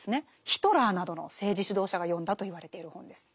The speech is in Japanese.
ヒトラーなどの政治指導者が読んだといわれている本です。